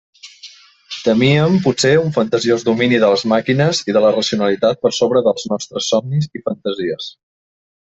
Temíem potser un fantasiós domini de les màquines i de la racionalitat per sobre dels nostres somnis i fantasies.